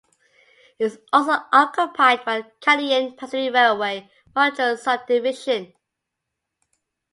It was also occupied by the Canadian Pacific Railway Montrose Subdivision.